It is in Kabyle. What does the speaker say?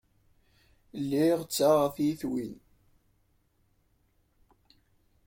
Lliɣ ttaɣeɣ tiyitiwin.